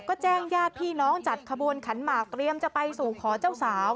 ก็แจ้งญาติพี่น้องจัดขบวนขันหมากเตรียมจะไปสู่ขอเจ้าสาว